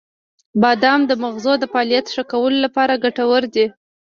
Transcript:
• بادام د مغزو د فعالیت ښه کولو لپاره ګټور دی.